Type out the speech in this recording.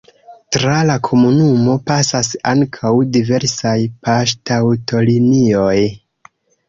Tra la komunumo pasas ankaŭ diversaj poŝtaŭtolinioj.